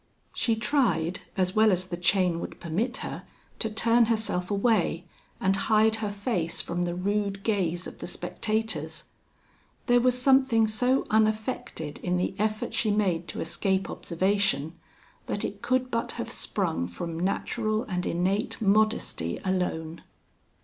She tried, as well as the chain would permit her, to turn herself away, and hide her face from the rude gaze of the spectators. There was something so unaffected in the effort she made to escape observation, that it could but have sprung from natural and innate modesty alone.